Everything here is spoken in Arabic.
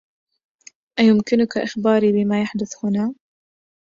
أيمكنك إخباري بما يحدث هنا؟